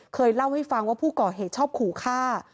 เคยเล่าให้ฟังว่าผู้ก่อเหตุชอบขู่ฆ่า